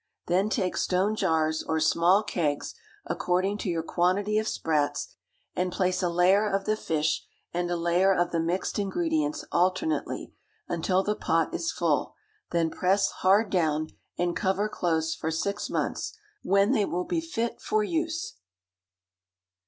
Then take stone jars or small kegs, according to your quantity of sprats, and place a layer of the fish and a layer of the mixed ingredients alternately, until the pot is full; then press hard down, and cover close for six months, when they will be fit for use.